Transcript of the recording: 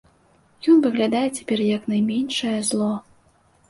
Ён выглядае цяпер як найменшае зло.